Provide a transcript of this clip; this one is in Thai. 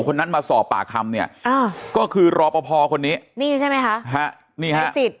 คนนั้นมาสอบปากคำเนี่ยอ่าก็คือรอปภคนนี้นี่ใช่ไหมคะฮะนี่ฮะสิทธิ